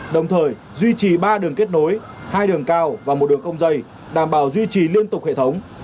đồng thời duy trì ba đường kết nối hai đường cao và một đường không dây đảm bảo duy trì liên tục hệ thống